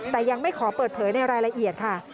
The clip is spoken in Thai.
แต่ยังไม่ขอเปิดเผยในรายละเอียดค่ะ